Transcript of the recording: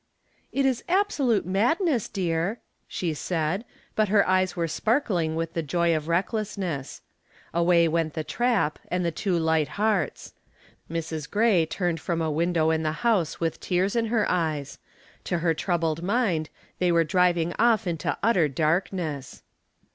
"It is absolute madness, dear," she said, but her eyes were sparkling with the joy of recklessness. Away went the trap and the two light hearts. Mrs. Gray turned from a window in the house with tears in her eyes. To her troubled mind they were driving off into utter darkness.